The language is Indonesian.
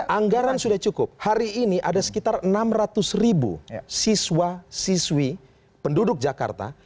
anggaran sudah cukup hari ini ada sekitar enam ratus ribu siswa siswi penduduk jakarta